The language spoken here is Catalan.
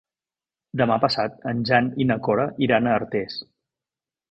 Demà passat en Jan i na Cora iran a Artés.